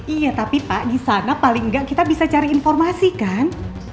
iya tapi pak disana paling gak kita bisa cari informasi kan